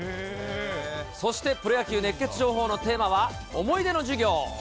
そしてプロ野球熱ケツ情報のテーマは、思い出の授業。